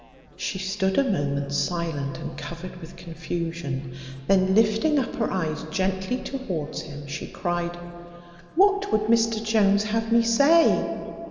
She stood a moment silent, and covered with confusion; then lifting up her eyes gently towards him, she cried, "What would Mr Jones have me say?"